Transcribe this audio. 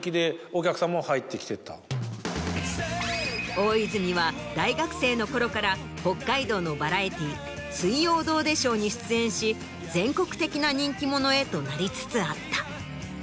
大泉は大学生のころから北海道のバラエティー『水曜どうでしょう』に出演し全国的な人気者へとなりつつあった。